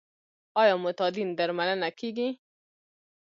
آیا معتادین درملنه کیږي؟